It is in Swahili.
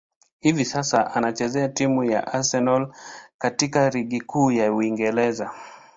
Hivi sasa, anachezea timu ya Arsenal katika ligi kuu ya Uingereza.